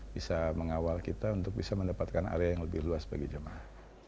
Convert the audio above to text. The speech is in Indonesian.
bisa mengawal kita untuk bisa mendapatkan area yang lebih luas bagi jemaah